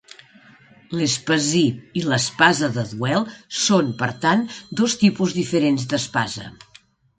L'espasí i l'espasa de duel són, per tant, dos tipus diferents d'espasa.